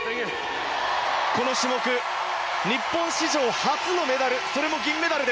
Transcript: この種目、日本史上初のメダル。